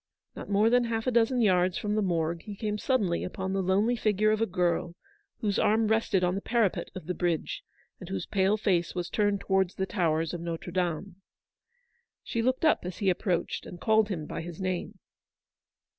Not more than half a dozen yards from the Morgue he came suddenly upon the lonely figure of a girl, whose arm rested on the parapet of the bridge, and whose pale face was turned towards the towers of Notre Dame. She looked up as he approached, and called him by his name.